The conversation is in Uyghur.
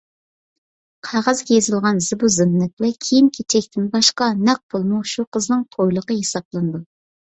قەغەزگە يېزىلغان زىبۇ-زىننەت ۋە كىيىم-كېچەكتىن باشقا، نەق پۇلمۇ شۇ قىزنىڭ تويلۇقى ھېسابلىنىدۇ.